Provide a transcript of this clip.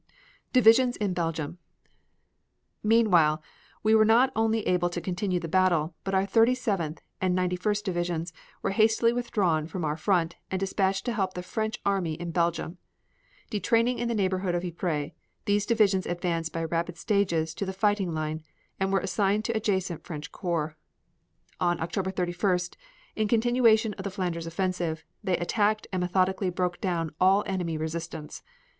DIVISIONS IN BELGIUM Meanwhile we were not only able to continue the battle, but our Thirty seventh and Ninety first divisions were hastily withdrawn from our front and dispatched to help the French army in Belgium. Detraining in the neighborhood of Ypres, these divisions advanced by rapid stages to the fighting line and were assigned to adjacent French corps. On October 31st, in continuation of the Flanders offensive, they attacked and methodically broke down all enemy resistance.